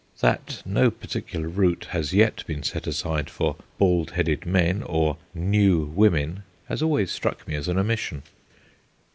That no particular route has yet been set aside for bald headed men or "new women" has always struck me as an omission.